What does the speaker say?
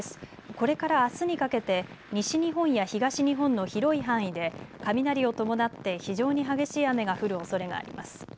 これからあすにかけて西日本や東日本の広い範囲で雷を伴って非常に激しい雨が降るおそれがあります。